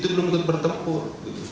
itu belum bisa bertempur